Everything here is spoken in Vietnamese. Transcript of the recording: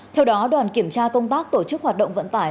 theo đó đoàn kiểm tra công tác tổ chức hoạt động vận tải